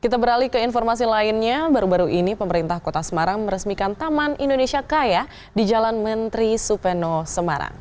kita beralih ke informasi lainnya baru baru ini pemerintah kota semarang meresmikan taman indonesia kaya di jalan menteri supeno semarang